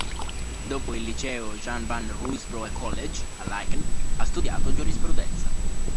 Dopo il liceo "Jan-van-Ruusbroeckollege" a Laeken, ha studiato giurisprudenza.